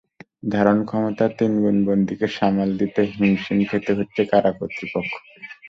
ধারণক্ষমতার তিন গুণ বন্দীকে সামাল দিতে হিমশিম খেতে হচ্ছে কারা কর্তৃপক্ষকে।